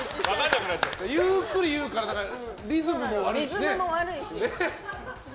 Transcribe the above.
ゆっくり言うからリズムも悪いしね。